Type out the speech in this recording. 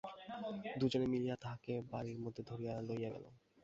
দুজনে মিলিয়া তাহাকে বাড়ির মধ্যে ধরিয়া লইয়া গেল।